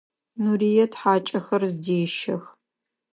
Нурыет хьакӏэхэр зыдещэх.